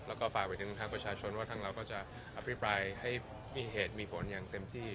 แล้วก็ฝากไปถึงทางประชาชนว่าทางเราก็จะอภิปรายให้มีเหตุมีผลอย่างเต็มที่